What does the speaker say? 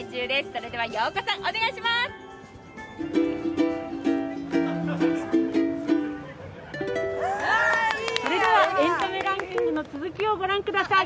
それではエンタメランキングの続きを御覧ください。